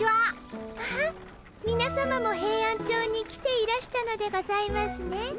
あっみなさまもヘイアンチョウに来ていらしたのでございますね。